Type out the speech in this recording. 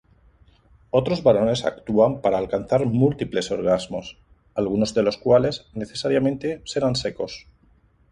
Otros varones actúan para alcanzar múltiples orgasmos, algunos de los cuales, necesariamente, serán secos.